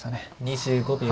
２５秒。